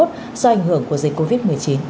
do ảnh hưởng của dịch covid một mươi chín